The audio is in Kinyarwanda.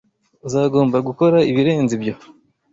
Uzagomba gukora ibirenze ibyo